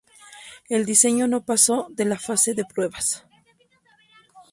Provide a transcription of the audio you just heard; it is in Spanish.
El diseño no pasó de la fase de pruebas.